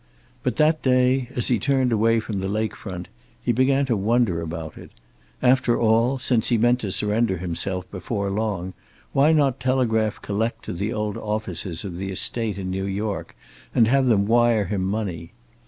But that day as he turned away from the lake front, he began to wonder about it. After all, since he meant to surrender himself before long, why not telegraph collect to the old offices of the estate in New York and have them wire him money?